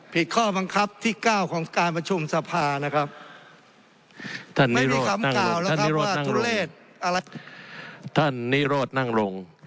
ผิดข้อบังคับที่เก้าของการประชุมสภานะครับท่านนิโรธนั่งลงท่านนิโรธนั่งลง